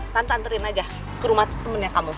tante anterin aja ke rumah temennya kamu